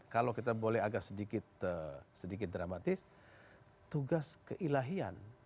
kalau kita boleh agak sedikit dramatis tugas keilahian